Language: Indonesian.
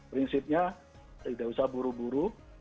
prinsipnya tidak usah buru buru